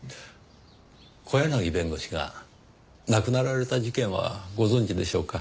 小柳弁護士が亡くなられた事件はご存じでしょうか？